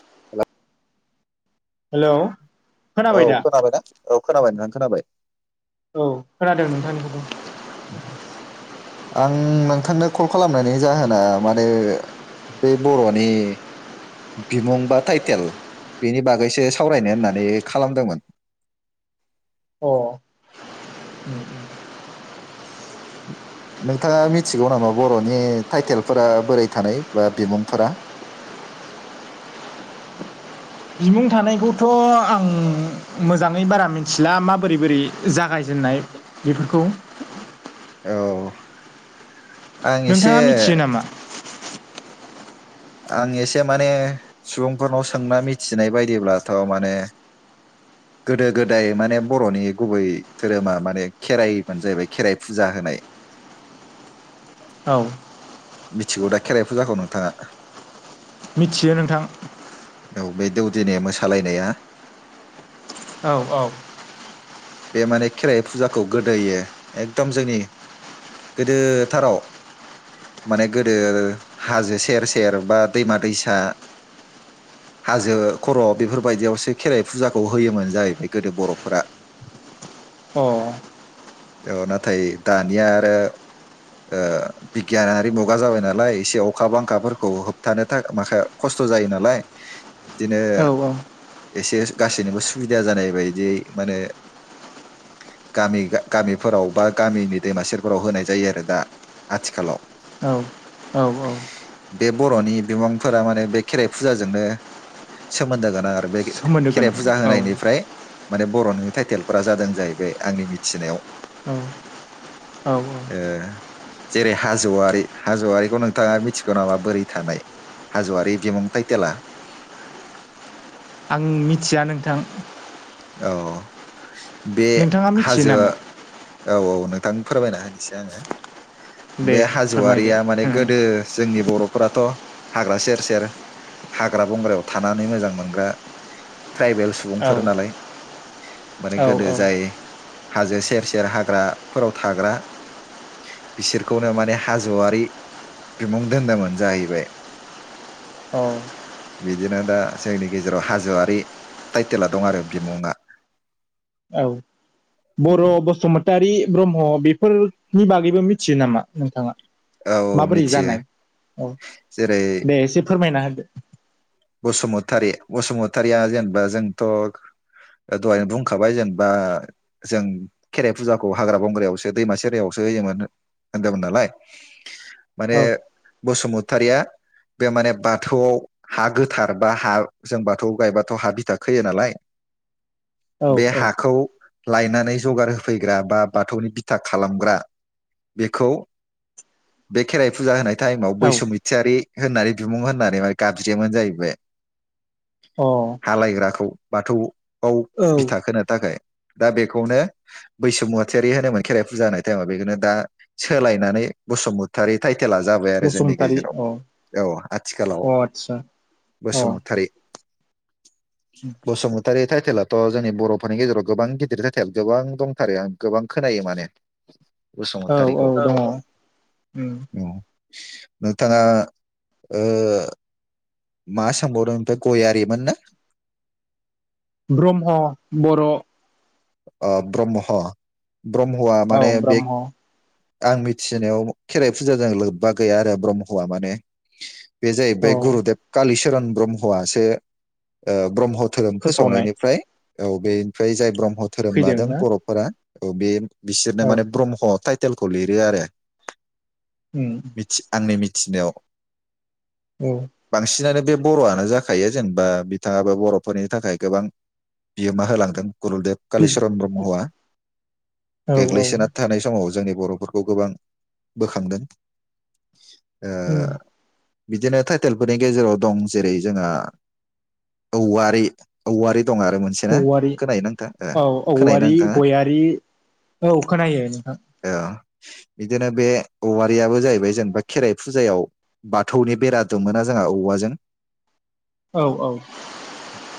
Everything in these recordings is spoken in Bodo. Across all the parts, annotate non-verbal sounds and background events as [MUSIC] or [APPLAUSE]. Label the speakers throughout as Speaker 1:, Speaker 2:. Speaker 1: [UNINTELLIGIBLE]
Speaker 2: हेलौ
Speaker 1: औ
Speaker 2: खोनाबाय दा
Speaker 1: खोनाबायना औ खोनाबाय नोंथां खोनाबाय
Speaker 2: औ खोनादों नोंथांनिखौ
Speaker 1: [UNINTELLIGIBLE] आं नोंथांनो कल खालामनायनि जाहोना माने बे बर'नि बिमुं बा टाइटेल बेनि बागैसो सावरायनो होननानै खालामदोंमोन
Speaker 2: अ [INAUDIBLE]
Speaker 1: नोंथाङा मिथिगौ नामा बरनि टाइटेलफोरा बोरै थानाय बा बिमुंफोरा
Speaker 2: बिमुं थानायखौथ‌ आं मोजांङै बारा मिथिला माबोरै बोरै जागायजेननाय बेफोरखौ
Speaker 1: औ आं एसे
Speaker 2: नोंथांङा मिथियो नामा
Speaker 1: आं एसे माने सुबुंफोरनाव सोंना मिथिनाय बायदिब्लाथ माने गोदो गोदाय माने बर'नि गुबै धोरोमा माने खेराइ जाहैबाय खेराइ फुजा होनाय
Speaker 2: औ
Speaker 1: मिथिगौ दा खेराइ फुजाखौ नोंथाङा
Speaker 2: मिथियो नोंथां
Speaker 1: औ बे दौदिनि मोसालायनाया
Speaker 2: औ औ
Speaker 1: बे माने खेराइ फुजाखौ गोदोयो एकदम जोंनि गोदोथाराव माने गोदो हाजो सेर सेर बा दैमा दैसा हाजो खर बेफोरबायदियावसो खेराइ फुजाखौ होयोमोन जाहैबाय गोदो बर'फोरा
Speaker 2: औ
Speaker 1: औ नाथाय दानिया आरो बिगियानारि मुगा जाबाय नालाय एसे अखा बांखाफोरखौ होबथानो थाखाय माखा खस्थ जायो नालाय बिदिनो
Speaker 2: औ औ
Speaker 1: एसे गासैनिबो सुबिदा जानाय बायदि माने गामि गामिफोराव बा गामिनि दैमा सेरफोराव होनाय जायो आरो दा आथिखालाव
Speaker 2: औ औ औ
Speaker 1: बे बरनि बिमांफोरा माने बे खेराइ फुजाजोंनो सोमोन्दो गोनां आरो बे
Speaker 2: सोमोन्दो
Speaker 1: खेराइ
Speaker 2: गोनां
Speaker 1: फुजा
Speaker 2: औ
Speaker 1: होनायनिफ्राय माने बर'‌ टाइटेलफोरा जादों जाहैबाय आंनि मिथिनायाव [INAUDIBLE] ओ
Speaker 2: औ औ
Speaker 1: जेरै हाजवारि हाज'वारिखौ नोंथाङा मिथिगौ नामा बोरै थानाय हाजवारि बिमुं टाइटेला?
Speaker 2: आं मिथिया नोंथां
Speaker 1: औ बे
Speaker 2: नोंथाङा मिथियो
Speaker 1: हाजो
Speaker 2: नामा
Speaker 1: औ औ नों थां फोरमायना होनिसै आंङो
Speaker 2: दे
Speaker 1: बे
Speaker 2: फोरमायदो
Speaker 1: हाजवारिया माने
Speaker 2: उम
Speaker 1: गोदो जोंनि बर' फोराथ‌हाग्रा सेर सेर हाग्रा बंग्रायाव थानानै मोजां मोनग्रा ट्राइबेल
Speaker 2: औ
Speaker 1: सुबुंफोर नालाय माने
Speaker 2: औ
Speaker 1: गोदो जाय हाजो सेर सेर हाग्राफोराव थाग्रा बिसोरखौनो माने हाज'वारि बिमुं दोनदोंमोन जाहैबाय
Speaker 2: औ
Speaker 1: बिदिनो दा जोंनि गेजेराव हाज'वारि टाइटेला दं आरो बिमुङा
Speaker 2: औ बर' बसुमतारि ब्रह्म बेफोर नि बागैबो मिथियो नामा नोंथाङा?
Speaker 1: औ
Speaker 2: माबोरै
Speaker 1: मिथियो
Speaker 2: जानाय औ दे एसे फोरमायना होदो।
Speaker 1: बसुमतारि बसुमतारिया जेनेबा जोंथ' ओ दहायनो बुंखाबाय जेनेबा जों खेराइ फुजाखौ हाग्रा बंग्रायावसो दैमा सेरायावसो होयोमोन होनदोंमोन नालाय [INAUDIBLE] माने बसुमतारिया बे माने बाथौआव हा गोथार बा हा जों बाथौ गायबाथ' हा बिथा खोयो नालाय
Speaker 2: औ
Speaker 1: बे
Speaker 2: औ
Speaker 1: हाखौ लायनानै जगार होफैग्रा बा बाथौनि बिथा खालामग्रा बेखौ बे खेराइ फुजा होनाय टाइमाव
Speaker 2: औ
Speaker 1: बैसुमैथियारि होननानै बिमुं होननानै माने गाबज्रियोमोन जाहैबाय।
Speaker 2: औ
Speaker 1: हा लायग्राखौ। बाथौ खौ
Speaker 2: अ औ
Speaker 1: बिथा खोनो थाखाय दा बेखौनो बैसुमतियारि होनोमोन खेराइ फुजा होनाय टाइमाव बेखौनो दा सोलायनानै बसुमतारि टाइ टेला जाबाय आरो जोंनि
Speaker 2: बसुमतारी अ
Speaker 1: गेजेराव औ आथिखालाव
Speaker 2: अ आदसा अ
Speaker 1: बुसुमतारि। बसुमुत तारि टाइटेलाथ' जोंनि बर'फोरनि गेजेराव गोबां गिदिर टाइटेल गोबां दंथारो आं गोबां खोनायो माने। बसुमतारिखौ औ औ
Speaker 2: उम
Speaker 1: नोंथाङा ओ मा सोंबावदोंथाय गयारिमोन नो?
Speaker 2: ब्रह्म बर'
Speaker 1: इ ब्रह्म ब्रह्मआ
Speaker 2: औ
Speaker 1: माने बे
Speaker 2: ब्रह्म
Speaker 1: आं मिथिनायाव खेराइ फुजाजों लोब्बा गैया आरो ब्रह्मआ माने बे
Speaker 2: औ
Speaker 1: जाहैबाय गुरुदेब कालिश सन ब्रह्मासो ओ ब्रह्म धोरोम
Speaker 2: फोसावनाय
Speaker 1: फोसावनायनिफ्राय औ बेनिफ्राय जाय ब्रह्म धोरोम लादों
Speaker 2: फैदोंना
Speaker 1: बर'फोरा औ बे बिसोरनो
Speaker 2: औ
Speaker 1: माने ब्रह्म ताय हटेलखौ लिरो आरो
Speaker 2: उम
Speaker 1: मिथि आंनि मिथि मिथिनायाव
Speaker 2: औ
Speaker 1: बांसिन आनो बे बर'आनो जाखायो जेनेबा बिथाङाबो बर'फोरनि थाखाय गोबां बिहोमा होलांदों गुरुदेव कालिचरन ब्रह्मआ
Speaker 2: औ औ
Speaker 1: गोग्लैसोना थानाय समाव जोंनि बर'फोरखौ गोबां बोखांदों। ओ
Speaker 2: उम
Speaker 1: बिदिनो टाइटेलफोरनि गेजेराव दं जेरै जोंहा औवारि औवारि दं आरो मोनसेना
Speaker 2: औवारि
Speaker 1: खोनायो ना नोंथा
Speaker 2: औ
Speaker 1: ओ खोनायोना
Speaker 2: औवारि
Speaker 1: नोंथाङा
Speaker 2: गयारि औ खोनायो नोंथां।
Speaker 1: ओ बिदिनो बे औवारियाबो जाहैबाय जेनेबा खेराइ फुजायाव बाथौनि बेरा दुमोना जोंहा औवाजों
Speaker 2: औ औ।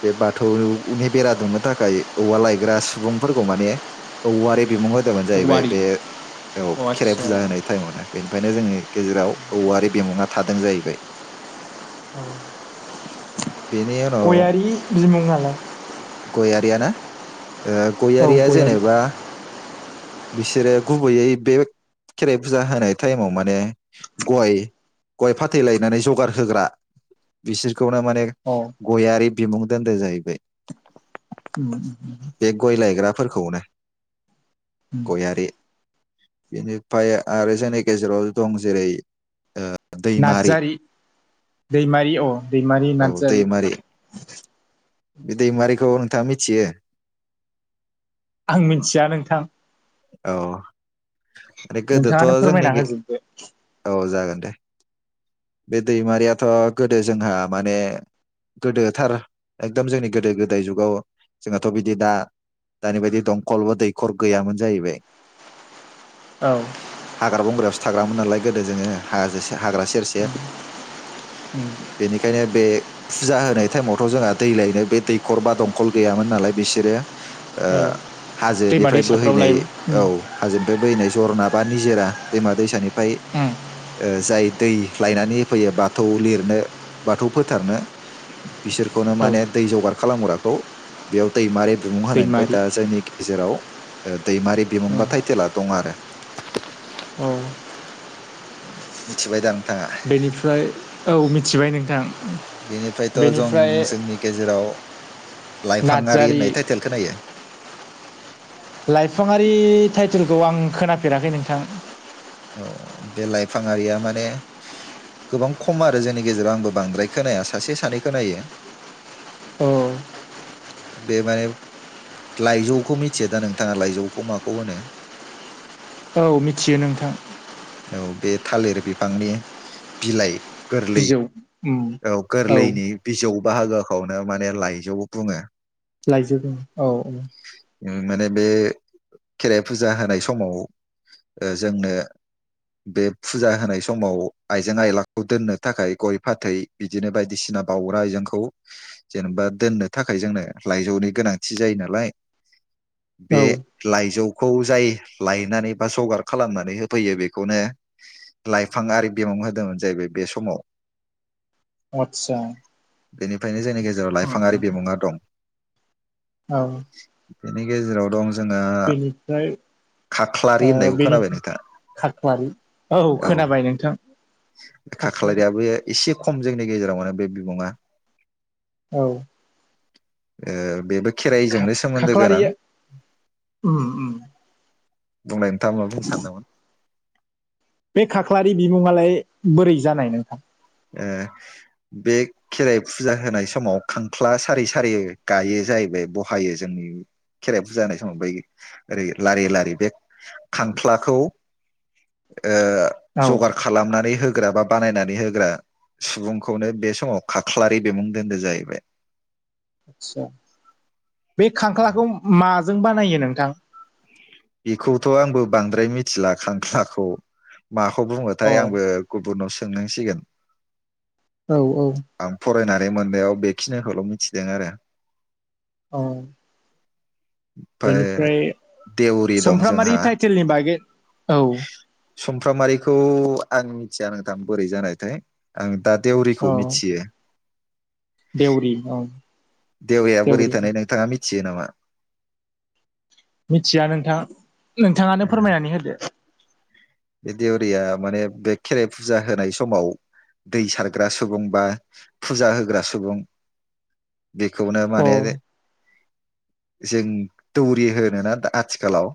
Speaker 1: बे बाथौनि बेरा दुमनो थाखाय औवा लाय बेरा सुबुंफोरखौ माने औवारी बिमुं हो गोदामानो जाहैबाय
Speaker 2: औवारि
Speaker 1: बे औ
Speaker 2: अ
Speaker 1: खेराइ
Speaker 2: आदसा
Speaker 1: फुजा होनाय टाइमावनो बेनो ओमखायनो जोंनि गेजेराव औवारि बिमुङा थादों जाहैबाय। बेनि
Speaker 2: गयारि बिमुङा द
Speaker 1: गयारियाना ओ
Speaker 2: औ
Speaker 1: गयारिया
Speaker 2: गयारि
Speaker 1: जेनेबा बिसोरो गुबैयै बे खेराइ फुजा होनाय टाइमाव माने गय गय फाथैलायनानै जगार होग्रा बिसोर खौ हायमाने
Speaker 2: अ
Speaker 1: गयारि बिमुं दोनदो जाहैबाय
Speaker 2: उम
Speaker 1: बे गयलायग्रा फोरखौनो
Speaker 2: उम
Speaker 1: गयारि बेनिफ्राय आरो जोंनि गेजेराव दं जेरै ओ
Speaker 2: नार्जारि दैमारि अ दैमारि
Speaker 1: औ
Speaker 2: नार्जारि
Speaker 1: बि दैमारिखौ नोंथाङा मिथियो
Speaker 2: आं मिथिया नोंथां
Speaker 1: औ माने गोदोथ'
Speaker 2: नोंथाङानो
Speaker 1: जोंनि
Speaker 2: फोरमायना होजोबदो
Speaker 1: औ जागोन बे दैमारियाथ गोदो जोंहा माने गोदोथार एकदम जोंनि गोदो गोदाय जुगाव जोंहाथ बिदि दा दानि बायदि दंखल बा दैखर गैयामोन जाहैबाय
Speaker 2: औ
Speaker 1: हाग्रा बंग्रासो थाग्रामोन नालाय गोदो जोङो हाजो हाग्रा सेर सेर
Speaker 2: उम
Speaker 1: बेनिखायनो बे फुजा होनाय टाइमावथ जोंहा दै लायनो बे दैखर बा दंखल गैयामोन नालाय बिसोरो ओ
Speaker 2: औ दैमा
Speaker 1: हाजोनिफ्राय बोहै
Speaker 2: दैसाफ्राव
Speaker 1: दै
Speaker 2: लायबो उम
Speaker 1: औ हाजोनिफ्राय बोैनाय जरना बा निजेरा दैमा दैसानि फाय
Speaker 2: उम
Speaker 1: जाय दै लायनानै होफैयो बाथौ लिरनो बाथौ फोथारनो बिसोरखौनो
Speaker 2: औ
Speaker 1: माने दै जगार खालामग्राखौ बेयाव दैमारि बिमुं हानायनिफ्राय
Speaker 2: दैमारि
Speaker 1: दा जोंनि गेजेराव ओ दैमारि
Speaker 2: उम
Speaker 1: बिमुंबा थटाइटेला दं आरो
Speaker 2: औ
Speaker 1: मिथिबाय दां नोंथाङा
Speaker 2: बेनिफ्राय औ मिथिबाय नोंथां
Speaker 1: बेनिफ्रायथ जों
Speaker 2: बेनिफ्राय
Speaker 1: जोंनि गेजेराव लाइफाङि
Speaker 2: नार्जारि
Speaker 1: होननाय टाइटेलखौ नायो
Speaker 2: लाइफाङारि टाइटेलखौ आं खोनाफेराखै नोंथां
Speaker 1: औ बे लाइफांङारिया माने गोबां खम आरो जोंनि गेजेराव आंबो बांद्राय खोनाया सासे सानै खोनायो
Speaker 2: औ
Speaker 1: बे माने लाइजौखौ मिथियो दा नोंथाङा लाइजौखौ माखौ होनो
Speaker 2: औ मिथियो नोंथां
Speaker 1: औ बे थालिर बिफांनि बिलाइ गोरलै
Speaker 2: बिजौ उम
Speaker 1: औ गोरलैनि बिजौ बाहागोखौनो माने लाइजौबो बुङो
Speaker 2: लाजौ दों औ औ
Speaker 1: उम माने बे खेराइ फुजा होनाय समाव ओ जोंनो बे फुजा होनाय समाव आइजें आयलाखौ दोननो थाखाय गय फाथै बिदिनो बायदिसिना बाउग्रा आइजेंखौ जेनेबा दोननो थाखाय जोंनो लाइजौनि गोनांथि जायो नालाय बे
Speaker 2: औ
Speaker 1: लाइजौ- खौ जाय लायनानै बा जगार खालामनानै होफैयो बेखौनो लाइफां आरि बिमां होदोंमोन जाहैबाय बे समाव
Speaker 2: आतसा
Speaker 1: बेनिफ्रायनो जोंनि गेजेराव लाइफाङारि बिमुङा दं
Speaker 2: औ
Speaker 1: बेनि गेजेराव दं- जोंना खाख्लारि
Speaker 2: ओ
Speaker 1: होननाय उ
Speaker 2: बेनिफ्राय खाख्लारि औ खोनाबाय नोंथां खाख्लारि
Speaker 1: खाख्लारियाबो एसे खम जोंनि गेजेराव मोनो बे बिबङा
Speaker 2: औ
Speaker 1: ए बेबो- खेराइजोंनो सोमोन्दो गोनां
Speaker 2: खाख्लारिया उम उम
Speaker 1: बुंनाय नों- थांआ मा बुंनो सानदोंमोन
Speaker 2: बे खाख्लारि बिमुङालाय बोरै जानाय नोंथां
Speaker 1: ओ बे खेराइ फुजा होनाय समाव खांख्ला सारि सारि गायो जाहैबाय बहायो जोंनि खेराइ फुजा होनाय समाव बै ओरै लारि लारि बे खांख्लाखौ ओ
Speaker 2: औ
Speaker 1: जगार खालामनानै हो- ग्रा बा बानायनानै होग्रा सुबुंखौनो बे समाव खाख्लारि बिमुं दोन्दो जाहैबाय
Speaker 2: आच्छा बे खांख्लाखौ मा- जों बानायो नोंथां?
Speaker 1: बेखौथ' आंबो बांद्राय मिथिला खांख्लाखौ माखौ बुङोथाय
Speaker 2: अ
Speaker 1: आंबो गुबुनावस- सोंनांसिगोन
Speaker 2: औ औ
Speaker 1: बै मोननायाव बेखिनिखौल' मिथिदों आरो
Speaker 2: औ
Speaker 1: ओमफ्राय
Speaker 2: बेनिफ्राय
Speaker 1: देउरि दं
Speaker 2: समफ्रामारि
Speaker 1: जोंहा
Speaker 2: टाइटेलनि बागै औ
Speaker 1: सुमफ्रामारिखौ आं मिथिया नोंथां बोरै जानायथाय आं दा देउरिखौ
Speaker 2: औ
Speaker 1: मिथियो
Speaker 2: देउरि अ
Speaker 1: देवरिया बोरै थानाय नोंथाङा मि थियो नामा
Speaker 2: मिथिया नोंथां नोंथाङानो फोरमायनानै होदो
Speaker 1: बे देवरिया माने बे खेराइ फुजा होनाय समाव दै सारग्रा सुबुं बा फुजा होग्रा सुबुं बेखौनो माने
Speaker 2: औ
Speaker 1: जों दौरि होनोना आथिखालाव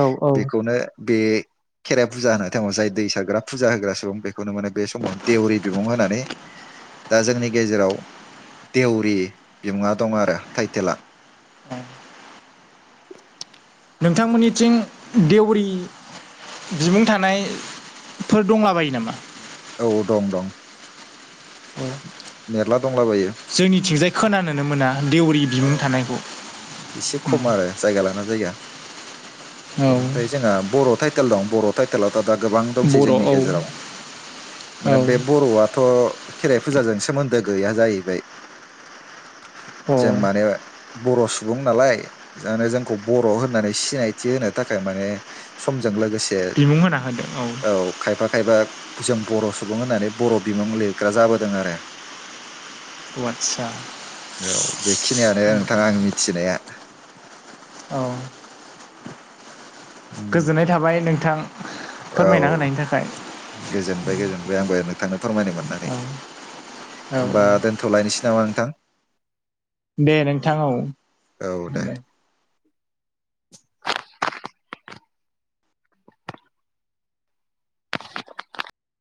Speaker 2: औ औ
Speaker 1: बेखौनो बे खेराइ फुजा होनाय टाइमाव जाय दै सारग्रा फुजा होग्रा सुबुं बेखौनो मानो बे समाव देउरि बिमुं होनानै दा जोंनि गेजेराव देवरि बिमुङा दं आरो टाइटेला
Speaker 2: नोंथांमोननिथिं देवरि बिमुं थानायफोर दंलाबायो नामा
Speaker 1: औ दं दं
Speaker 2: औ
Speaker 1: मेरला दंलाबायो।
Speaker 2: जोंनिथिंजाय खोनानोनो मोना देवरि
Speaker 1: औ
Speaker 2: बिमुं थानायखौ
Speaker 1: एसे
Speaker 2: उम
Speaker 1: खम आरो जायगा लाना जायगा
Speaker 2: औ
Speaker 1: बेनिफ्राय जोंहा बर' थाइ तेल दं बर' टाइटेला दा गोबां दंसै
Speaker 2: बर'
Speaker 1: जोंनि
Speaker 2: औ
Speaker 1: गेजेराव
Speaker 2: औ
Speaker 1: माने बे बर'आथ' खेराइ फुजाजों सोमोन्दो गैया जाहैबाय।
Speaker 2: अ
Speaker 1: जों माने बर' सुबुं नालाय जानो जोंखौ बर' होननानै सिनायथि होनो थाखाय माने सम जों लोगोसे
Speaker 2: बिमुं होना होदों
Speaker 1: औ खायफा खायफा जों बर' सुबुं होननानै बर' बिमुं लिरग्रा जाबोदों आरो।
Speaker 2: औ आदसा
Speaker 1: औ बेखिनियानो नोंथाङा आं मि
Speaker 2: औ।
Speaker 1: उम
Speaker 2: गोजोननाय थाबाय नोंथां
Speaker 1: औ
Speaker 2: फोरमायना होनायनि थाखाय
Speaker 1: गोजोनबाय गोजोनबाय आंबो। नोंथांनो फोरमायनो मोननानै
Speaker 2: औ औ
Speaker 1: होमबा दोनथ'लायनोसै नामा नों थां।
Speaker 2: दे नोंथां औ दे।